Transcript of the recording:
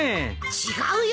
違うよ